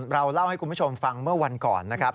เราเล่าให้คุณผู้ชมฟังเมื่อวันก่อนนะครับ